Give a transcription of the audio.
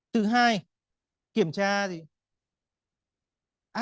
thứ hai kiểm tra